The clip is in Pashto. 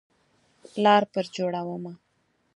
لار پر جوړومه